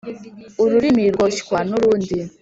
Ururimi rwoshywa nurundi